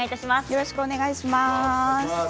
よろしくお願いします。